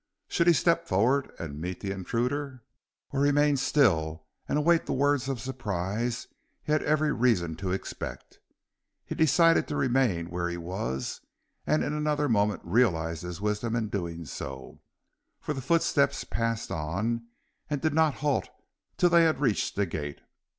Should he step forward and meet the intruder, or remain still and await the words of surprise he had every reason to expect? He decided to remain where he was, and in another moment realized his wisdom in doing so, for the footsteps passed on and did not halt till they had reached the gate.